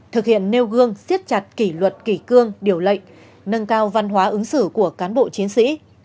thực hiện nêu gương siết chặt kỷ luật kỷ cương điều lệnh nâng cao văn hóa ứng xử của cán bộ chiến sĩ